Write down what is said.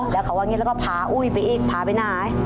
แล้วเขาก็พาอุ้ยไปอีกพาไปหน้า